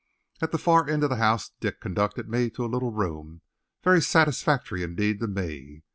At the far end of the house Dick conducted me to a little room, very satisfactory indeed to me.